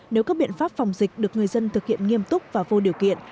nếu các biện pháp phòng dịch được người dân thực hiện nghiêm túc và vô điều kiện